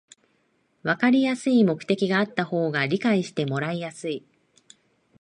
わかりやすい目的があった方が理解してもらいやすい